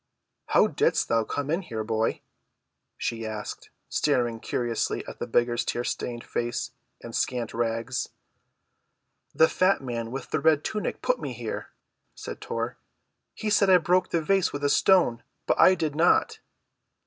"How didst thou come in here, boy?" she asked, staring curiously at the beggar's tear‐stained face and scant rags. "The fat man with the red tunic put me here," said Tor. "He said I broke the vase with a stone, but I did not."